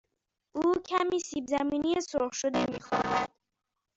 او کمی سیب زمینی سرخ شده می خواهد.